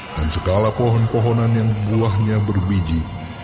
dan segala pohon pohonan yang buahnya berbiji